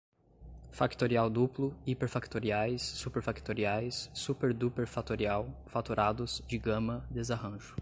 factorial duplo, hiperfactoriais, superfactoriais, superduperfatorial, fatorados, digama, desarranjo